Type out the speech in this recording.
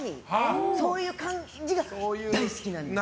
そういう感じが大好きなんです。